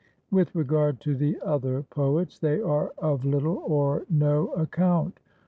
With regard to the other poets, they are of little or no account.